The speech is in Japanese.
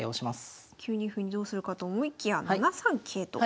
９二歩にどうするかと思いきや７三桂と。